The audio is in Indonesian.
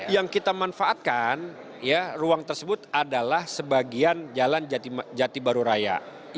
yang kita manfaatkan ruang tersebut adalah sebagian jalan jati baru raya